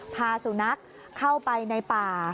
พาสุนัขเข้าไปในป่า